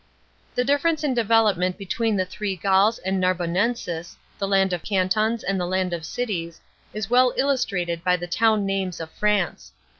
The difference in development between the Three Gauls and Narbonensis — the land of cantons and the land of cities — is well illustrated by the town names of France.